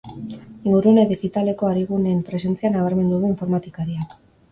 Ingurune digitaleko ariguneen presentzia nabarmendu du informatikariak.